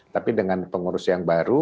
tapi dengan perusahaan